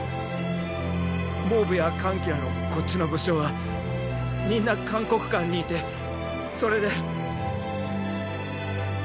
蒙武や桓騎らのこっちの武将はみんな函谷関にいてそれで。